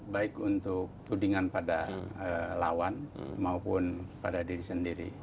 baik untuk tudingan pada lawan maupun pada diri sendiri